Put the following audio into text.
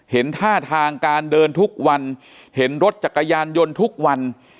เห็นท่าทางการเดินทุกวันเห็นรถจักรยานยนต์ทุกวัน